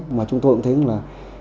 mà chúng tôi cũng thấy là